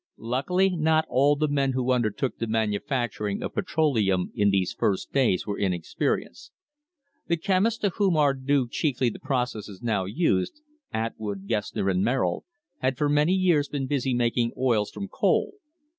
Luckily not all the men who undertook the manufacturing of petroleum in these first days were inexperienced. The chemists to whom are due chiefly the processes now used — Atwood, Gessner, and Merrill — had for years been busy mak ing oils from coal.